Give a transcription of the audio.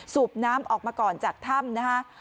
สูบน้ำออกมาก่อนจากถ้ำนะฮะ